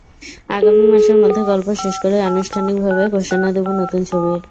আগামী মাসের মধ্যে গল্প শেষ করেই আনুষ্ঠানিকভাবে ঘোষণা দেব নতুন ছবির।